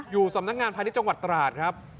อยู่สำนักงานพาณิชย์จังหวัดตราดครับ